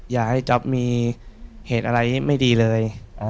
อยากให้จ๊อปมีเหตุอะไรไม่ดีเลย